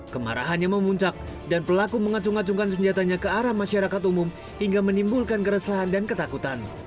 kemarahannya memuncak dan pelaku mengacung acungkan senjatanya ke arah masyarakat umum hingga menimbulkan keresahan dan ketakutan